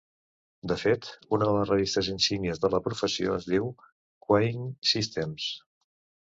De fet, una de les revistes insígnia de la professió es diu "Queueing Systems".